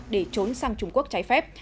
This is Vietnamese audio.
để trốn sang trung quốc trái phép